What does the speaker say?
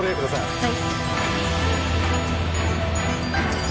はい。